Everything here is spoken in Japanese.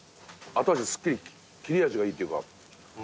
後味すっきり切れ味がいいっていうか。